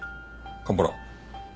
蒲原。